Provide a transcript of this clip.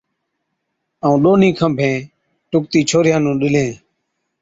ائُون ڏونهِين کنڀين ٽُڪتِي ڇوهرِيان نُون ڏِلين،